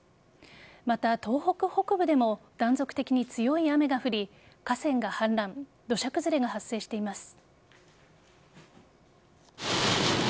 また、東北北部でも断続的に強い雨が降り河川が氾濫土砂崩れが発生しています。